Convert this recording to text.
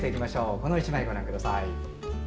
この１枚をご覧ください。